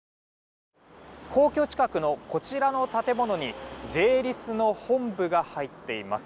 皇居近くのこちらの建物にＪ‐ＬＩＳの本部が入っています。